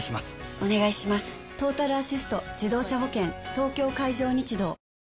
東京海上日動